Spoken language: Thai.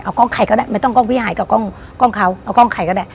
เอากล้องใครก็ได้ไม่ต้องกล้องวิหายกับกล้องเขาเอากล้องใครก็ได้